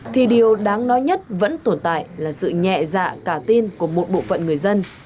thì điều đáng nói nhất vẫn tồn tại là sự nhẹ dạ cả tin của một bộ phận người dân